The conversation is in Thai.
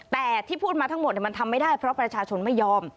แต่ที่พูดมาทั้งหมดมันทำไม่ได้เพราะประชาชนไม่ยอม